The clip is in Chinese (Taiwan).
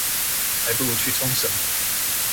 還不如去沖繩